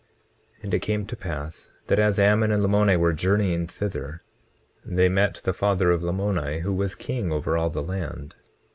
20:8 And it came to pass that as Ammon and Lamoni were journeying thither, they met the father of Lamoni, who was king over all the land.